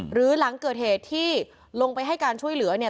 หลังเกิดเหตุที่ลงไปให้การช่วยเหลือเนี่ย